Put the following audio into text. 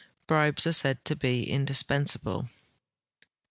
Bribes are said to be indispensable.